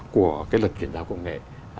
của cái luật chuyển giao công nghệ